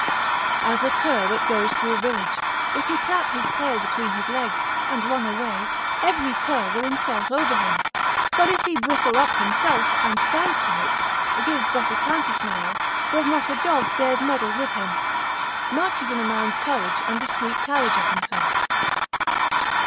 As a cur that goes through a village, if he clap his tail between his legs, and run away, every cur will insult over him: but if he bristle up himself, and stand to it, give but a counter snarl, there's not a dog dares meddle with him: much is in a man's courage and discreet carriage of himself.